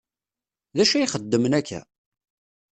D acu ay xeddmen akka?